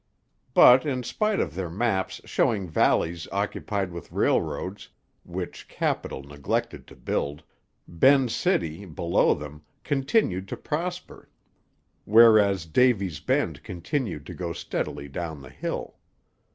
But in spite of their maps showing valleys occupied with railroads (which Capital neglected to build), Ben's City, below them, continued to prosper, whereas Davy's Bend continued to go steadily down the hill.